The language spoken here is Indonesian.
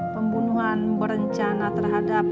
pembunuhan berencana terhadap